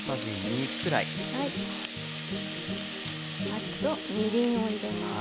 あとみりんを入れます。